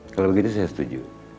kalau begitu saya setuju